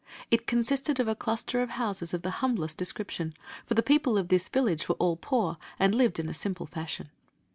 It consisted of a cluster of houses of the humblest description, for the people of this village were all poor and lived in simple fashion.